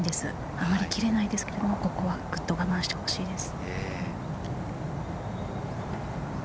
あまり切れないですけれど、ここはグッと我慢してほしいです。